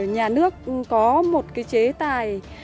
nhà nước có một chế tài